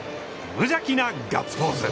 無邪気なガッツポーズ。